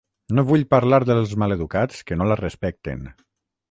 No vull parlar dels maleducats que no la respecten.